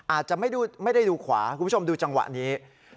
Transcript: อาจจะไม่ได้ดูขวาคุณผู้ชมดูจังหวะนี้